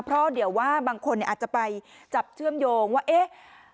เพราะเดี๋ยวว่าบางคนอาจจะไปจับเชื่อมโยงว่าเอ๊ะ